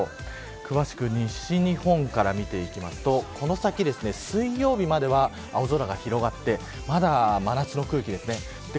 くわしく西日本から見ていくとこの先水曜日までは青空が広がってまだ真夏の空気が残ります。